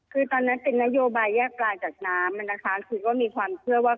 คือตอนนั้นเป็นนโยบายแยกปลาจากน้ำนะคะคือก็มีความเชื่อว่า